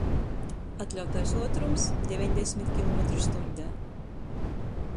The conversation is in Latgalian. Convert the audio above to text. Atļautais uotrums — deveņdesmit kilometru stuņdē.